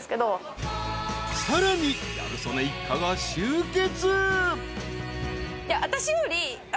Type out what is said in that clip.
［さらにギャル曽根一家が集結］